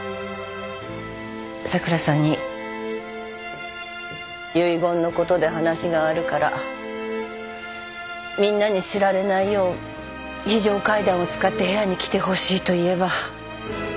桜さんに遺言のことで話があるからみんなに知られないよう非常階段を使って部屋に来てほしいと言えば。